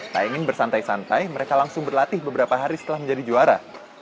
tak ingin bersantai santai mereka langsung berlatih beberapa hari setelah menjadi juara